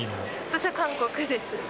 私は韓国です。